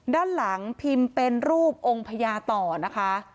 ด้านหลังพิมพ์เป็นรูปองค์พญาต่อนะคะ